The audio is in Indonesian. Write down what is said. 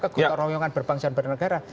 kegotoroyongan berbangsa dan bernegara